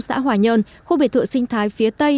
xã hòa nhơn khu biệt thựa sinh thái phía tây